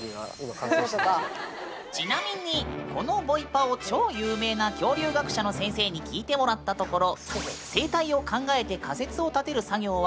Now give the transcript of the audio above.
ちなみにこのボイパを超有名な恐竜学者の先生に聴いてもらったところ。